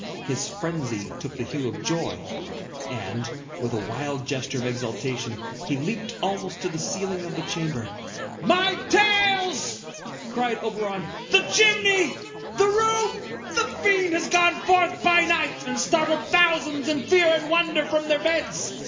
His frenzy took the hue of joy, and, with a wild gesture of exultation, he leaped almost to the ceiling of the chamber. "My tales!" cried Oberon. "The chimney! The roof! The Fiend has gone forth by night, and startled thousands in fear and wonder from their beds!